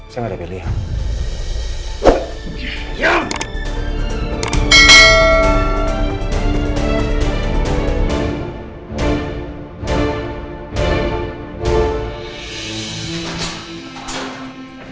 saya gak dilihat